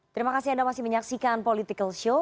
terima kasih anda masih menyaksikan political show